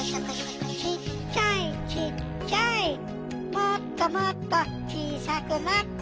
もっともっとちいさくなって。